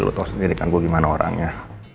lu tahu sendiri kan gue gimana orangnya